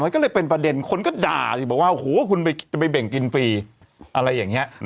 ก็เลยเป็นประเด็นคนก็ด่าสิบอกว่าโอ้โหคุณจะไปเบ่งกินฟรีอะไรอย่างนี้